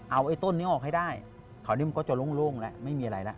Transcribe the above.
เอาไอ้ต้นนี้ออกให้ได้คราวนี้มันก็จะโล่งแล้วไม่มีอะไรแล้ว